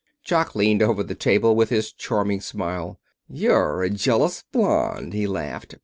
Jock leaned over the table, with his charming smile. "You're a jealous blonde," he laughed.